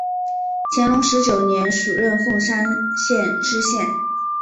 乾隆十九年署任凤山县知县。